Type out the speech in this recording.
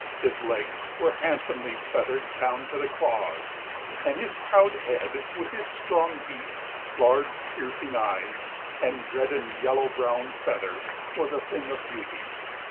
His legs were handsomely feathered down to the claws, and his proud head, with its strong beak, large, piercing eyes, and red and yellow brown feathers, was a thing of beauty.